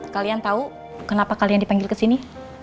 kalian tau kenapa kalian dipanggil kesini